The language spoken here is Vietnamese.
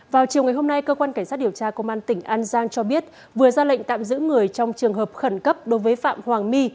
vào chiều ngày hôm nay cơ quan cảnh sát điều tra công an tỉnh an giang cho biết vừa ra lệnh tạm giữ người trong trường hợp khẩn cấp đối với phạm hoàng my